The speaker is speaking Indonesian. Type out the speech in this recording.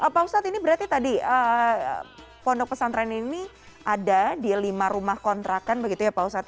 pak ustadz ini berarti tadi pondok pesantren ini ada di lima rumah kontrakan begitu ya pak ustadz